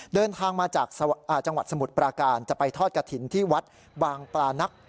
เดินทางมาจากจังหวัดสมุทรปราการจะไปทอดกระถิ่นที่วัดบางปลานัก